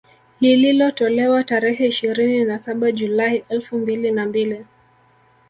Lililotolewa tarehe ishirini na saba Julai elfu mbili na mbili